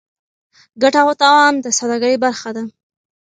ګټه او تاوان د سوداګرۍ برخه ده.